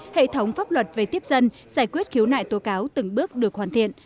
hệ thống pháp luật về tiếp dân giải quyết khiếu nại tố cáo từng bước được hoàn thiện